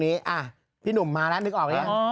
นี่พี่หนุ่มมาแล้วนึกออกหรือยัง